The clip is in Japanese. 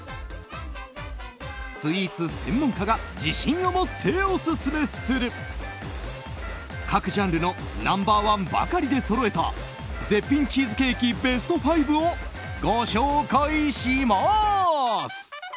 スイーツ専門家が自信を持ってオススメする各ジャンルのナンバー１ばかりでそろえた絶品チーズケーキベスト５をご紹介しまーす！